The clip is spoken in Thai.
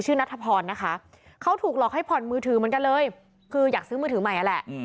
นัทพรนะคะเขาถูกหลอกให้ผ่อนมือถือเหมือนกันเลยคืออยากซื้อมือถือใหม่นั่นแหละ